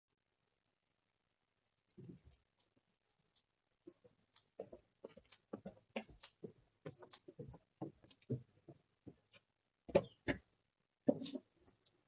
佢講過好多老實說話，話大陸一係清零一係打針，清零係持續唔到落去，要靠有效疫苗，病毒好大機會一路喺人類社會流行